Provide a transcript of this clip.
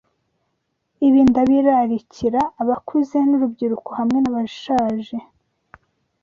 Ibi ndabirarikira abakuze n’urubyiruko hamwe n’abashaje